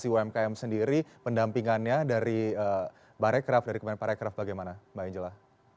umkm sendiri pendampingannya dari barecraft bagaimana mbak angela